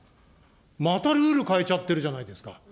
またルール変えちゃってるじゃないですか。